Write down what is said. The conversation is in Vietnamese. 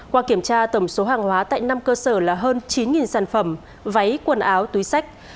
qua kiểm tra tổng số hàng hóa tại năm cơ sở là hơn chín sản phẩm váy quần áo túi sách